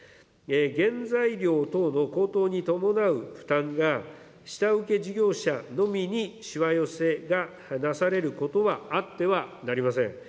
原材料等の高騰に伴う負担が、下請け事業者のみにしわ寄せがなされることは、あってはなりません。